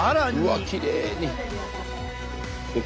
うわっきれいに。